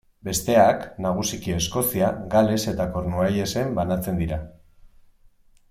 Besteak, nagusiki Eskozia, Gales eta Kornuallesen banatzen dira.